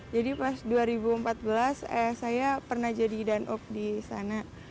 jadi pas dua ribu empat belas ayah saya pernah jadi danok di sana